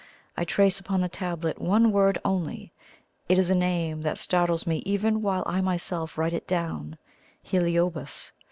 I trace upon the tablet one word only; it is a name that startles me even while I myself write it down HELIOBAS.